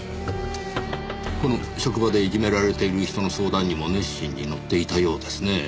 この職場でいじめられている人の相談にも熱心に乗っていたようですねぇ。